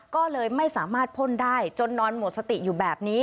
ก็เลยไม่สามารถพ่นได้จนนอนหมดสติอยู่แบบนี้